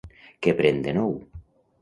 Què pren de nou?